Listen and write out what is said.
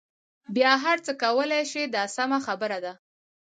بیا هر څه کولای شئ دا سمه خبره ده.